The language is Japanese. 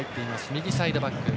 右サイドバック。